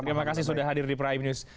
terima kasih sudah hadir di prime news